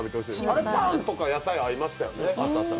あれ、パンとか野菜合いますからね。